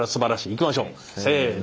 いきましょうせの！